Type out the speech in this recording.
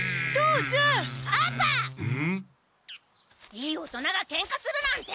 いい大人がケンカするなんて。